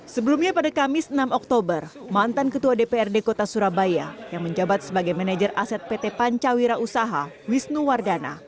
sebelumnya pada kamis enam oktober mantan ketua dprd kota surabaya yang menjabat sebagai manajer aset pt pancawira usaha wisnu wardana